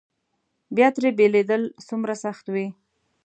بیا ترې بېلېدل څومره سخت وي.